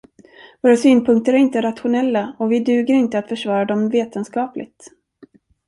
Våra synpunkter är inte rationella, och vi duger inte att försvara dem vetenskapligt.